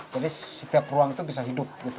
jadi setiap ruang itu bisa hidup